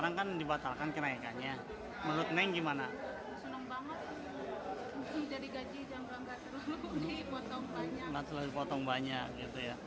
nanti lebih potong banyak